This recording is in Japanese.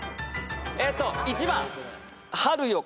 えっと１番。